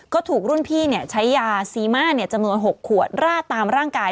ก็ถูกรุ่นพี่ใช้ยาซีมาจำนวน๖ขวดราดตามร่างกาย